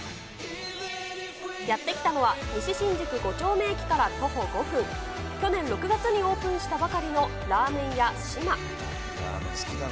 やって来たのは、西新宿５丁目駅から徒歩５分、去年６月にオープンしたばかりのらぁ麺や嶋。